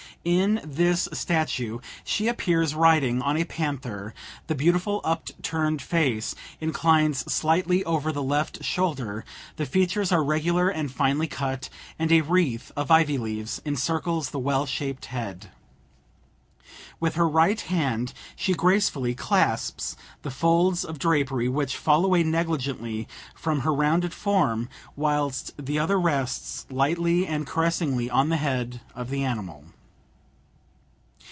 In this statue she appears riding on a panther; the beautiful upturned face inclines slightly over the left shoulder; the features are regular and finely cut, and a wreath of ivy leaves encircles the well shaped head. With her right hand she gracefully clasps the folds of drapery which fall away negligently from her rounded form, whilst the other rests lightly and caressingly on the head of the animal.